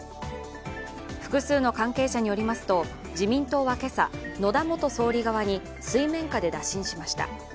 複数の関係者によりますと、自民党は今朝、野田元総理側に水面下で打診しました。